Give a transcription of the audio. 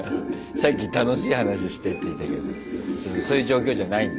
さっき「楽しい話して」って言ったけどそういう状況じゃないんだ。